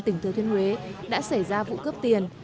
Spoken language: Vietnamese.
tỉnh thừa thiên huế đã xảy ra vụ cướp tiền